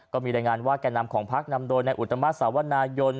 ก็มีรายงานว่าแก่นำของพักนำโดยในอุตมาสาวนายน